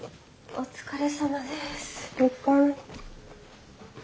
お疲れ。